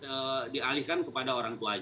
kalau ada kejahatan itu bisa dianggap